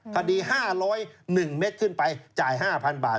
คดี๕๐๑เม็ดขึ้นไปจ่าย๕๐๐บาท